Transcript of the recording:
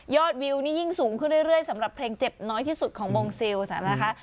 วิวนี่ยิ่งสูงขึ้นเรื่อยสำหรับเพลงเจ็บน้อยที่สุดของวงซิลนะคะ